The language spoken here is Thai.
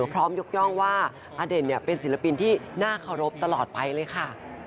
พร้อมยกย่องว่าอเด่นเป็นศิลปินที่น่าเคารพตลอดไปเลยค่ะ